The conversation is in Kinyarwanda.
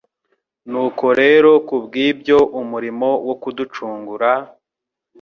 Nuko rero kubw'ibyo umurimo wo kuducungura,